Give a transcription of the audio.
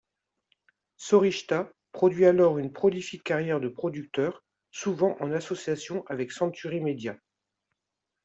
Sorychta poursuit alors une prolifique carrière de producteur, souvent en association avec Century Media.